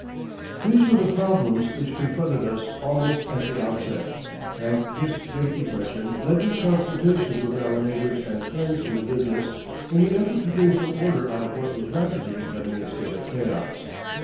These were the problems which confronted us almost at the outset, and this great depression led to consultations with our neighbors and friends in the business in the effort to bring some order out of what was rapidly becoming a state of chaos.